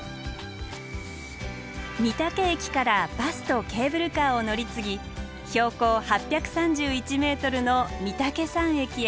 御嶽駅からバスとケーブルカーを乗り継ぎ標高８３１ｍの御岳山駅へ。